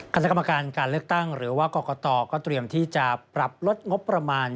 คณะกรรมการการเลือกตั้งหรือว่ากรกตก็เตรียมที่จะปรับลดงบประมาณ